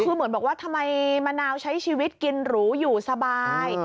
คือเหมือนบอกว่าทำไมมะนาวใช้ชีวิตกินหรูอยู่สบาย